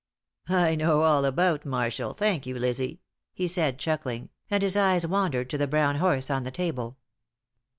"I know all about Marshall, thank you, Lizzie," he said, chuckling, and his eyes wandered to the brown horse on the table.